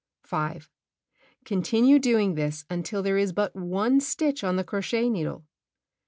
5. Continue doing this until there is but one stitch on the crochet needle.